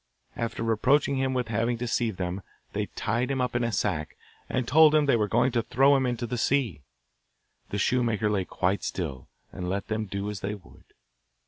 After reproaching him with having deceived them, they tied him up in a sack, and told him they were going to throw him into the sea. The shoemaker lay quite still, and let them do as they would.